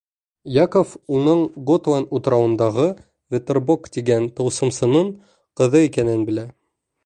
Яков уның Готланд утрауындағы Веттербок тигән тылсымсының ҡыҙы икәнен белә.